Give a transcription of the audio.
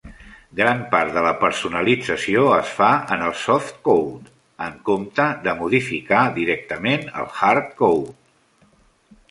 Gran part de la personalització es fa en el "softcode", en compte de modificar directament el "hardcode".